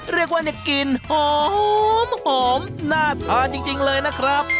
เรียกว่ากลิ่นหอมน่าทานจริงเลยนะครับ